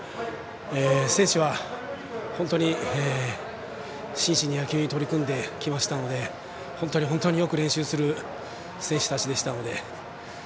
選手は本当に真摯に野球に取り組んできましたので本当に本当によく練習する選手たちでしたので。